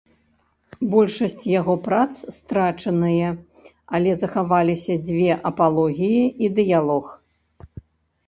Большасць яго прац страчаныя, але захаваліся дзве апалогіі і дыялог.